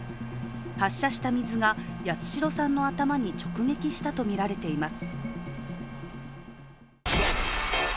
発射した水が八代さんの頭に直撃したとみられています。